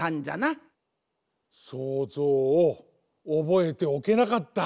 想像をおぼえておけなかった。